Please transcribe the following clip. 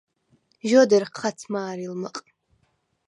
ჟ’ოდერ ჴაც მა̄რილმჷყ.